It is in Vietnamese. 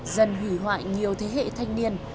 dần hủy hoại nhiều thế hệ thanh niên